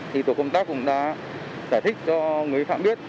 thì tổ công tác cũng đã giải thích cho người vi phạm biết